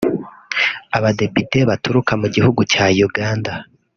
Abadepite baturuka mu gihugu cya Uganda